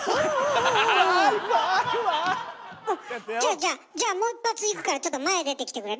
じゃあじゃあじゃあもう一発いくからちょっと前出てきてくれる？